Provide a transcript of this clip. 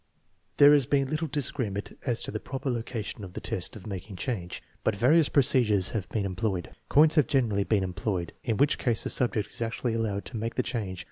There has been little disagreement as to the proper loca 242 THE MEASUREMENT OF INTELLIGENCE tion of the test of making change, but various procedures have been employed. Coins have generally been employed, in which case the subject is actually allowed to make the change.